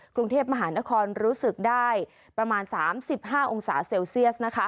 กรุงเทพมหานครรู้สึกได้ประมาณ๓๕องศาเซลเซียส